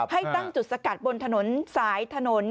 ให้ตั้งจุดสกัดบนถนนสายถนน